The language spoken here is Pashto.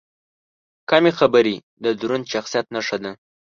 کمې خبرې، د دروند شخصیت نښه ده.